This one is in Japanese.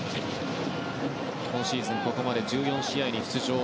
今シーズン、ここまで１４試合に出場。